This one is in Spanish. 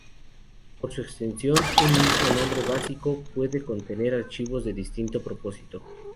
Por su extensión, un mismo nombre básico puede contener archivos de distinto propósito.